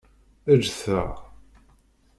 Ǧǧet-aɣ!